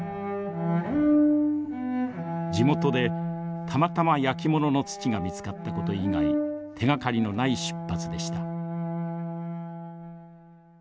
地元でたまたまやきものの土が見つかったこと以外手がかりのない出発でした。